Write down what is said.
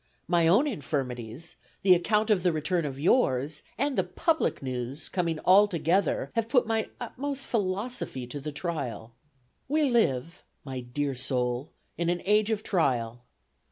My own infirmities, the account of the return of yours, and the public news coming all together have put my utmost philosophy to the trial. "We live, my dear soul, in an age of trial.